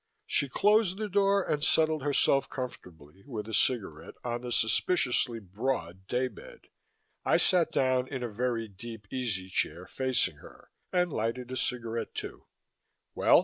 She closed the door and settled herself comfortably, with a cigarette, on the suspiciously broad day bed. I sat down in a very deep easy chair, facing her, and lighted a cigarette too. "Well?"